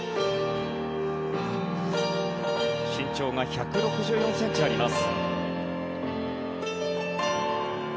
身長が１６４ｃｍあります。